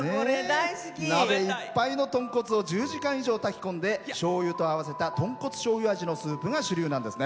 鍋いっぱいの豚骨を１０時間以上炊き込んでしょうゆと合わせた豚骨しょうゆ味のスープが主流なんですね。